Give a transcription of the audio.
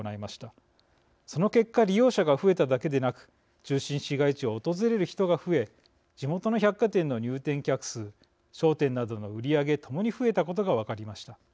その結果利用者が増えただけでなく中心市街地を訪れる人が増え地元の百貨店の入店客数商店などの売り上げ共に増えたことが分かりました。